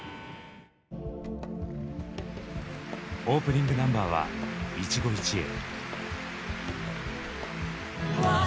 オープニングナンバーは「一期一会」。